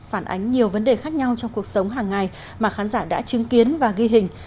phản ánh nhiều vấn đề khác nhau trong cuộc sống hàng ngày mà khán giả đã chứng kiến và ghi hình